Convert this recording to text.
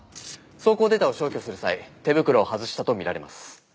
走行データを消去する際手袋を外したと見られます。